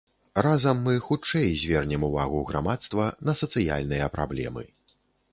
Разам мы хутчэй звернем ўвагу грамадства на сацыяльныя праблемы.